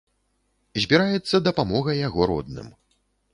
Збіраецца дапамога яго родным.